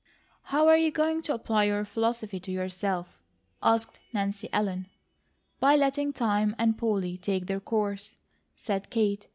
"How are you going to apply your philosophy to yourself?" asked Nancy Ellen. "By letting time and Polly take their course," said Kate.